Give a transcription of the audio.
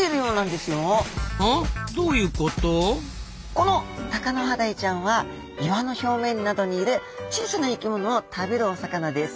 このタカノハダイちゃんは岩の表面などにいる小さな生きものを食べるお魚です。